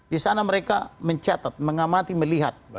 di sana mereka mencatat mengamati melihat